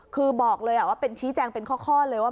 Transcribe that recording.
คือบอกเลยว่าเป็นชี้แจงเป็นข้อเลยว่า